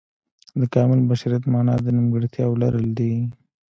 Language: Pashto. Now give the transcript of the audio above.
د کامل بشریت معنا د نیمګړتیاو لرل دي.